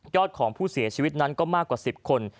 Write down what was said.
อดของผู้เสียชีวิตนั้นก็มากกว่า๑๐คน